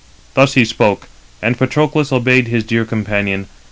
Thus he spoke; and Patroclus obeyed his dear companion.